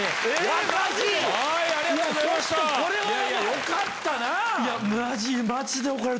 よかったなぁ。